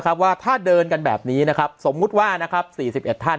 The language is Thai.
ว่าถ้าเดินกันแบบนี้นะครับสมมุติว่านะครับ๔๑ท่าน